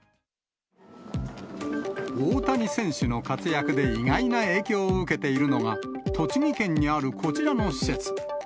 大谷選手の活躍で意外な影響を受けているのが、栃木県にあるこちらの施設。